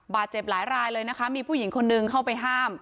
บาดเจ็บหลายรายเลยนะคะมีผู้หญิงคนนึงเข้าไปห้าม